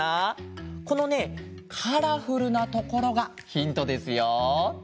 このねカラフルなところがヒントですよ。